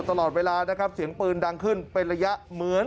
ตอนนี้ก็ยิ่งแล้ว